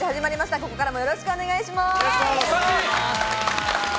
ここからもよろしくお願いします。